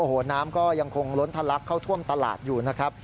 โอ้โหน้ำก็ยังคงล้นทะลักเข้าท่วมตลาดอยู่นะครับ